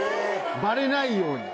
バレないように。